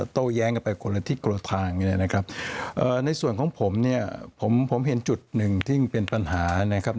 โต้แย้งกันไปคนละทิศคนละทางเนี่ยนะครับในส่วนของผมเนี่ยผมเห็นจุดหนึ่งที่เป็นปัญหานะครับ